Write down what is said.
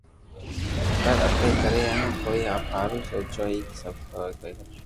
پر اپي ڪدي بو ڪوئئي آپ ھاارون سوچو ھين سب ڪومون نر